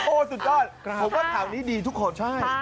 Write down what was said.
โอ้โหสุดยอดผมว่าข่าวนี้ดีทุกคนใช่